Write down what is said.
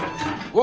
お。